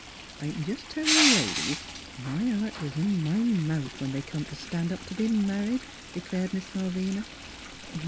" I c'n jes' tell you ladies my heart was in my mouth when they come t' stan' up t' be married," declared Miss Malvina.